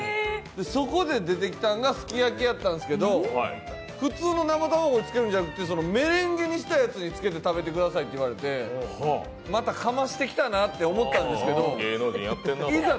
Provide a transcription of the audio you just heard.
そこで出てきたんがすき焼きだったんですけど、普通の生卵をつけるんじゃなくてメレンゲにしたやつにつけて食べてくださいって言われてまたかましてきたなって思ったんですけどいざ